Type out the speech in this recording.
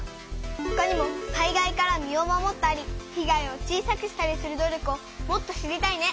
ほかにも災害から身を守ったり被害を小さくしたりする努力をもっと知りたいね！